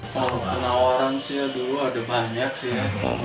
kalau penawaran dulu ada banyak sih